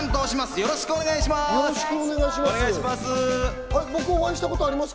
よろしくお願いします。